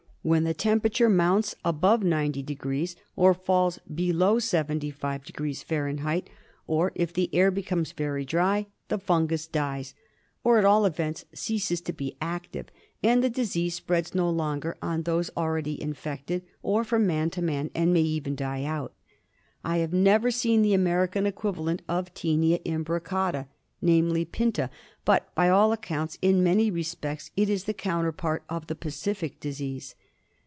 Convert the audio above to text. When the temperature mounts above 90° Fahr. or falls below 75° Fahr., or if the air becomes 12 GEOGRAPHICAL DISTRIBUTION very dry, the fungus dies, or at all events ceases to be active, and the disease spreads no longer on those already infected, or from man to man, and may even die out. I have never seen the American equivalent of Tinea imbricata, namely, Pinta, but by all accounts in many respects it is the counterpart of the Pacific disease.